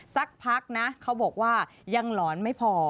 สักพักนะเขาบอกว่ายังหลอนไม่พอ